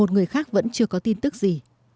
một mươi một người khác vẫn chưa có tin tức gì